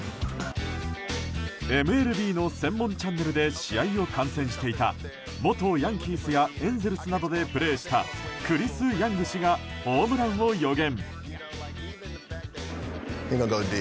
ＭＬＢの専門チャンネルで試合を観戦していた元ヤンキースやエンゼルスなどでプレーしたクリス・ヤング氏がホームランを予言。